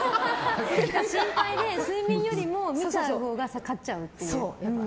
心配で睡眠より見ちゃうほうが勝っちゃうっていう。